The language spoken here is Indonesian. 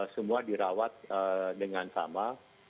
semua dirawat dengan sama